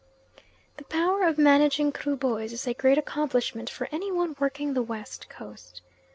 The power of managing Kruboys is a great accomplishment for any one working the West Coast.